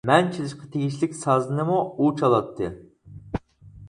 مەن چېلىشقا تېگىشلىك سازنىمۇ ئۇ چالاتتى.